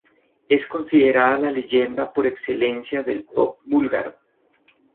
Es considerada la leyenda por excelencia del Pop búlgaro.